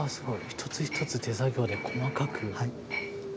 一つ一つ手作業で細かく。